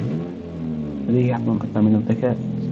لديه حظ أكثر من الذكاء.